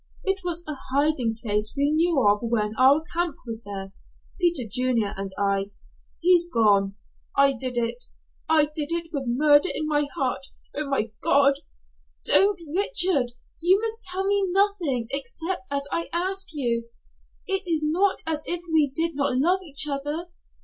It was a hiding place we knew of when our camp was there Peter Junior and I. He's gone. I did it I did it with murder in my heart Oh, my God!" "Don't, Richard. You must tell me nothing except as I ask you. It is not as if we did not love each other.